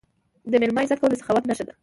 د میلمه عزت کول د سخاوت نښه ده.